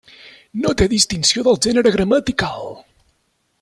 No té distinció del gènere gramatical.